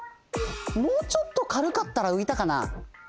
もうちょっとかるかったらういたかな？